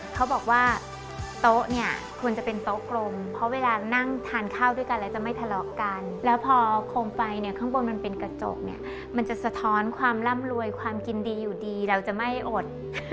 เขาบอกว่าโต๊ะเนี่ยควรจะเป็นโต๊ะกรมเพราะเวลานั่งทานข้าวด้วยกันแล้วจะไม่ทะเลาะกันแล้วพอโคมไฟเนี่ยข้างบนมันเป็นกระจกเนี่ยมันจะสะท้อนความร่ำรวยความกินดีอยู่ดีเราจะไม่อด